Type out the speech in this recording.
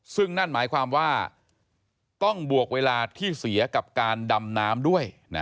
ซึ่งนั่นหมายความว่าต้องบวกเวลาที่เสียกับการดำน้ำด้วย